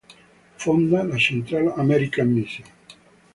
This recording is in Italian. Fonda la "Central American Mission".